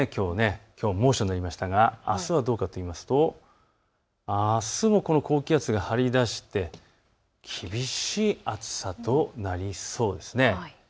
きょう猛暑になりましたがあすはどうかといいますとあすもこの高気圧が張り出して厳しい暑さとなりそうです。